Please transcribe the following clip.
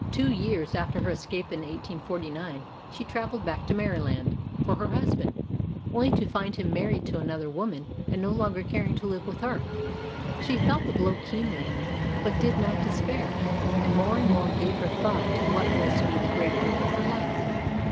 Two years after her escape in 1849 she traveled back to Maryland for her husband, only to find him married to another woman and no longer caring to live with her. She felt the blow keenly, but did not despair and more and more gave her thought to what was to be the great work of her life.